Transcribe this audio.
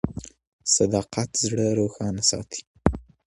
صداقت زړه روښانه ساتي.